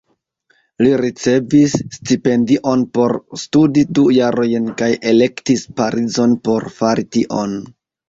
Li ricevis stipendion por studi du jarojn kaj elektis Parizon por fari tion.